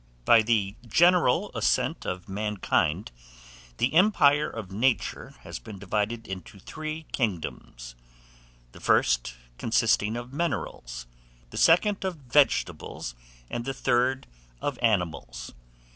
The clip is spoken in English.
BY THE GENERAL ASSENT OF MANKIND, THE EMPIRE OF NATURE has been divided into three kingdoms; the first consisting of minerals, the second of vegetables, and the third of animals.